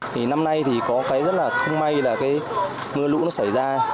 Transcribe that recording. thì năm nay thì có cái rất là không may là cái mưa lũ nó xảy ra